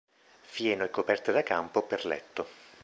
Fieno e coperte da campo per letto.